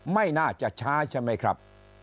ไม่น่าจะช้าใช่ไหมครับ